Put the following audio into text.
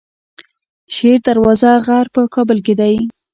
شیر دروازه غر په کابل کې دی